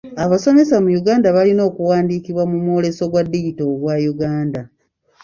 Abasomesa mu Uganda balina okuwandiikibwa mu mwoleso gwa digito ogwa Uganda.